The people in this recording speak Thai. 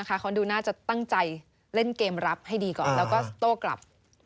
แล้วก็ต้องไปเล่นเกมรับให้ดีก่อนแล้วก็โต๊ะกลับ